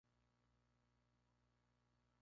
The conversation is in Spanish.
Pero no llega a decírselo a nadie.